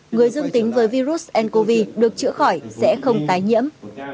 người dương tính với virus ncov được chữa khỏi sẽ không tái nhiễm